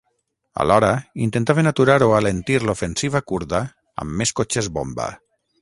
Alhora, intentaven aturar o alentir l'ofensiva kurda amb més cotxes bomba.